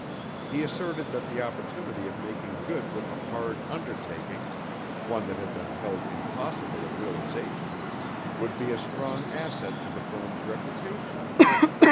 He asserted that the opportunity of making good with a hard undertaking one that had been held impossible of realization would be a strong asset to the firm's reputation.